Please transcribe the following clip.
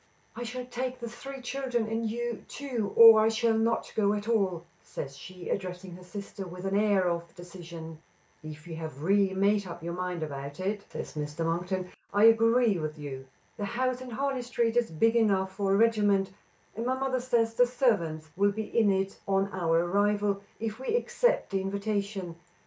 "I shall take the three children and you, too, or I shall not go at all," says she, addressing her sister with an air of decision. "If you have really made up your mind about it," says Mr. Monkton, "I agree with you. The house in Harley street is big enough for a regiment, and my mother says the servants will be in it on our arrival, if we accept the invitation.